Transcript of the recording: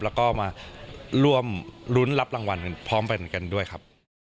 แล้วก็มาร่วมรุ้นรับรางวัลพร้อมกันด้วยครับ